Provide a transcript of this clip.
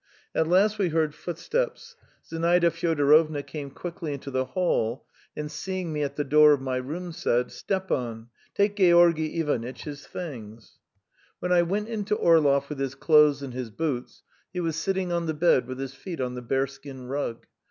At last we heard footsteps; Zinaida Fyodorovna came quickly into the hall, and seeing me at the door of my room, said: "Stepan, take Georgy Ivanitch his things." When I went in to Orlov with his clothes and his boots, he was sitting on the bed with his feet on the bearskin rug.